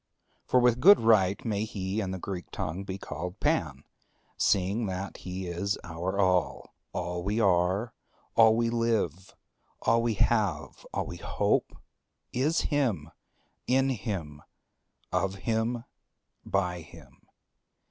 For with good right may he in the Greek tongue be called Pan, seeing that he is our All; all we are, all we live, all we have, all we hope, is him, in him, of him, by him.